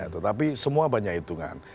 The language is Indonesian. tetapi semua banyak hitungan